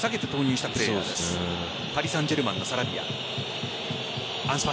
パリサンジェルマンのサラビア。